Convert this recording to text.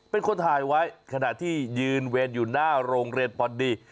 เป็นคนถ่ายไว้ขณะที่ยืนเวรอยู่หน้าโรงเรียนพอดี